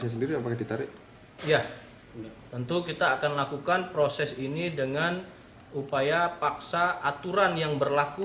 sendiri apakah ditarik ya tentu kita akan lakukan proses ini dengan upaya paksa aturan yang berlaku